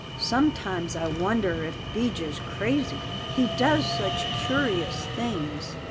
Sometimes I wonder ef 'Bijah's crazy, he does such curious things.